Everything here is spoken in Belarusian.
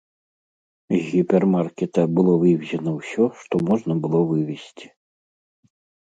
З гіпермаркета было вывезена ўсё, што можна было вывезці.